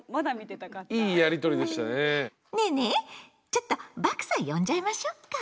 ちょっとバクさん呼んじゃいましょうか？